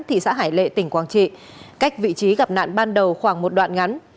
thị xã hải lệ tỉnh quảng trị cách vị trí gặp nạn ban đầu khoảng một đoạn ngắn